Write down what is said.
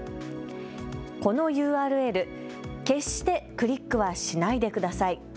このＵＲＬ、決してクリックはしないでください。